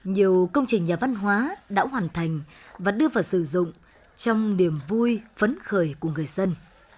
nhiều công trình nhà văn hóa đã hoàn thành và đưa vào sử dụng trong niềm vui phấn khởi của người dân